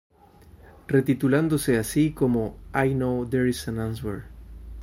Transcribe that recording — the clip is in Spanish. Re-titulándose así como "I Know There's an Answer".